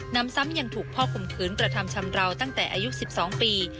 นำซ้ำยังถูกพ่อข่มขืนกระทำชำราวตั้งแต่อายุ๑๒ปี